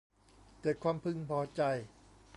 เกิดความพึงพอใจ